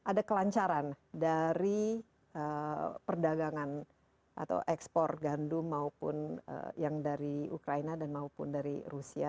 ada kelancaran dari perdagangan atau ekspor gandum maupun yang dari ukraina dan maupun dari rusia